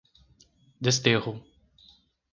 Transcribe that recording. Desterro